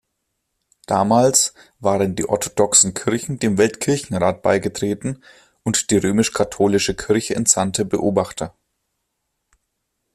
Damals waren die orthodoxen Kirchen dem Weltkirchenrat beigetreten und die römisch-katholische Kirche entsandte Beobachter.